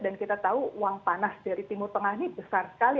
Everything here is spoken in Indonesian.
kita tahu uang panas dari timur tengah ini besar sekali